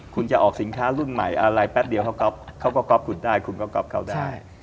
คุณจะออกสินค้ารุ่นใหม่อะไรแป๊บเดียวเขาก็ก๊อฟคุณได้คุณก็ก๊อบเขาได้